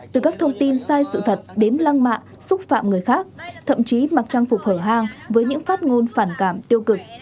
từ các thông tin sai sự thật đến lăng mạ xúc phạm người khác thậm chí mặc trang phục hở hang với những phát ngôn phản cảm tiêu cực